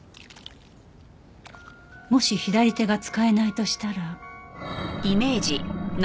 もし左手が使えないとしたら